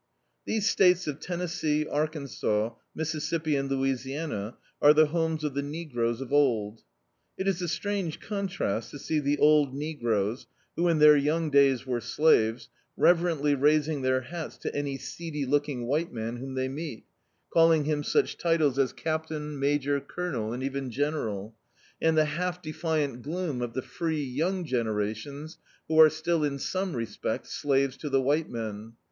These states of Tetmcssee, Arkansas, Mississippi and Louisiana, are the homes of the negroes of old. It is a strange contrast to see the old negroes, who in their young days were slaves, reverently raising their hats to any seedy looking white man whtan they meet, calling him such titles as captain, major, D,i.,.db, Google A Lynching colonel and even general — and the half defiant gloom of the free, young generations, who arc still ' in some respects slaves to the white men.